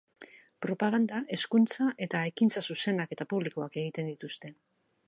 Propaganda, hezkuntza eta ekintza zuzenak eta publikoak egiten dituzte.